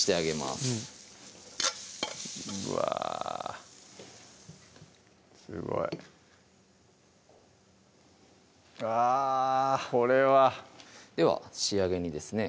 すごいあこれはでは仕上げにですね